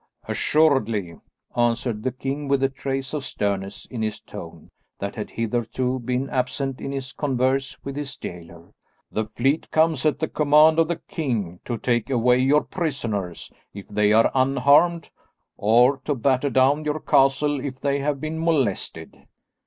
"Assuredly," answered the king with a trace of sternness in his tone that had hitherto been absent in his converse with his gaoler. "The fleet comes at the command of the king to take away your prisoners, if they are unharmed, or to batter down your castle if they have been molested."